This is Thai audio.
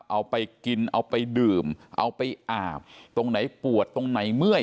เอาไปกินเอาไปดื่มเอาไปอาบตรงไหนปวดตรงไหนเมื่อย